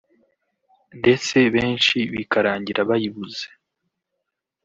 ndetse benshi bikarangira bayibuze